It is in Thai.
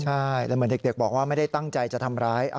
ใช่แล้วเหมือนเด็กบอกว่าไม่ได้ตั้งใจจะทำร้าย